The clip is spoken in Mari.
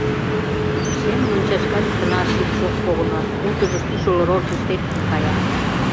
Шем мончашкат тынар шикш ок погыно, утыжо кӱшыл рож гыч лектын кая.